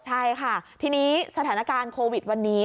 ใช่ค่ะทีนี้สถานการณ์โควิดวันนี้